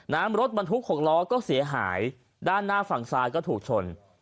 รถบรรทุกหกล้อก็เสียหายด้านหน้าฝั่งซ้ายก็ถูกชน